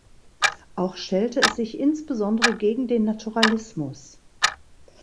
Auch stellte es sich insbesondere gegen den Naturalismus.